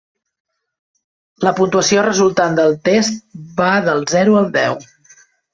La puntuació resultant del test va del zero al deu.